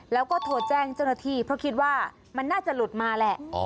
แล้วก็โทรแจ้งเจ้าหน้าที่เพราะคิดว่ามันน่าจะหลุดมาแหละ